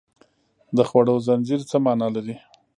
د خوړو زنځیر څه مانا لري